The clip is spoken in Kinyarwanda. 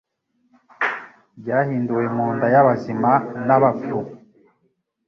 Byahinduwe munda yabazima na bapfu